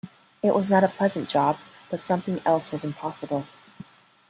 It was not a pleasant job, but something else was impossible.